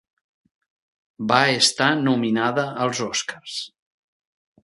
Va estar nominada als Oscars.